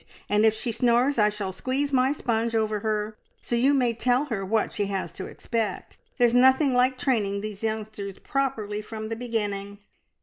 And if she snores I shall squeeze my sponge over her, so you may tell her what she has to expect. There's nothing like training these youngsters properly from the beginning!"